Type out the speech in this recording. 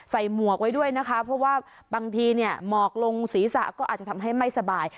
หมวกไว้ด้วยนะคะเพราะว่าบางทีเนี่ยหมอกลงศีรษะก็อาจจะทำให้ไม่สบาย